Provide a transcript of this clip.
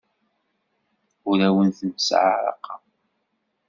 Ur awen-tent-sseɛraqeɣ.